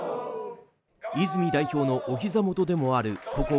泉代表のおひざ元でもあるここ